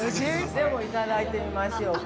でも、いただいてみましょうか。